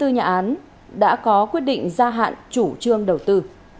hai mươi nhà án đã có quyết định gia hạn chủ trương đầu tư